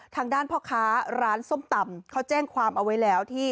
ทางด้านพ่อค้าร้านส้มตำเขาแจ้งความเอาไว้แล้วที่